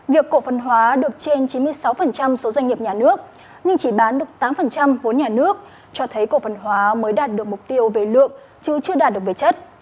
việc cổ phần hóa được trên chín mươi sáu số doanh nghiệp nhà nước nhưng chỉ bán được tám vốn nhà nước cho thấy cổ phần hóa mới đạt được mục tiêu về lượng chứ chưa đạt được về chất